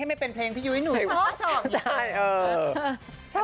ให้ไม่เป็นเพลงพี่ยูยัดหนูชอบ